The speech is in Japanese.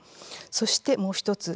そして、もう１つ。